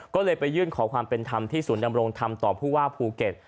ก็เลยไปยื่นขอความเป็นธรรมที่ศูนย์ดำรงธรรมต่อผู้ว่าภูเก็ต